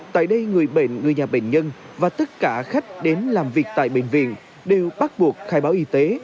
tại đây người bệnh người nhà bệnh nhân và tất cả khách đến làm việc tại bệnh viện đều bắt buộc khai báo y tế